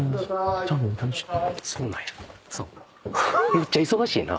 めっちゃ忙しいな。